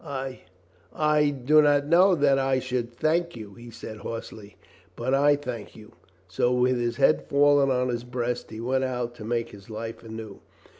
"I — I do not know that I should thank you," he said hoarsely. "But I thank you." So with his head fallen on his breast, he went out to make his life anew.